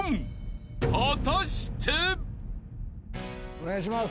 お願いします。